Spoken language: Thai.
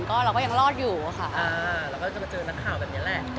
เราก็ยังรอดอยู่ค่ะ